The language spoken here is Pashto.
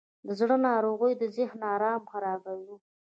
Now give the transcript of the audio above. د زړه ناروغۍ د ذهن آرام خرابوي.